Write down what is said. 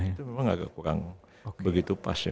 itu memang agak kurang begitu pas ya